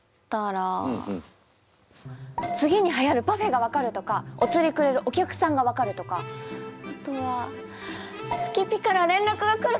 「次にはやるパフェが分かる！」とか「お釣りくれるお客さんが分かる！」とかあとは「好きピから連絡が来る気配を感じる！」とか。